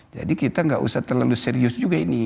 jadi kita gak usah terlalu serius juga ini